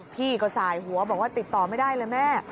พี่ก็สายหัวบอกว่าติดต่อไม่ได้เลยแม่